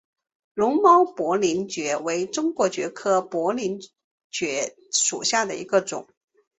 绒毛薄鳞蕨为中国蕨科薄鳞蕨属下的一个种。